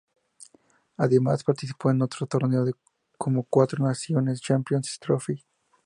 Además participó de otros torneos como Cuatro Naciones y Champion´s Trophy.